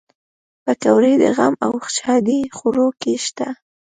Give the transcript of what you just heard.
پکورې د غم او ښادۍ خوړو کې شته